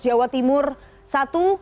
jawa timur ada satu